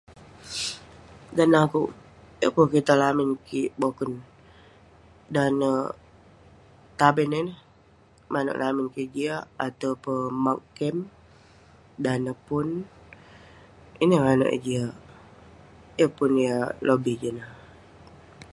Dan neh akouk, yeng pun kitang lamin kik yah boken. Dan neh taben ineh, manouk lamin kik jiak atau peh maag kem, dan neh pun. Ineh manouk eh jiak. Yeng pun yah lobih jin ineh.